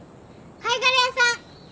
貝殻屋さん。